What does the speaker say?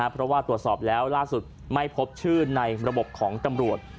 เพราะว่าตรวจสอบแล้วล่าสุดไม่พบชื่อในระบบของตำรวจ